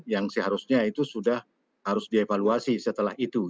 yang seharusnya itu sudah harus dievaluasi setelah itu